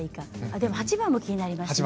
でも８番も気になりますね。